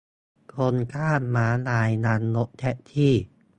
คนข้ามม้าลายยันรถแท็กซี่